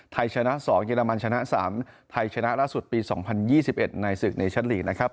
ไทยชนะ๒เยอรมันชนะ๓ไทยชนะล่าสุดปี๒๐๒๑ในศึกในชั้นลีกนะครับ